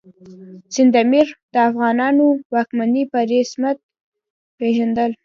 سند امیر د افغانانو واکمني په رسمیت پېژندل.